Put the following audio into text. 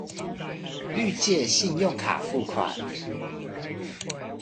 綠界信用卡付款